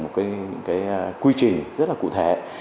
một quy trình rất là cụ thể